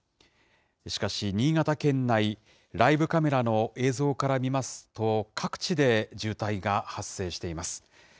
しかし、新潟県内、ライブカメラの映像から見ますと、各地で渋滞が発生しています。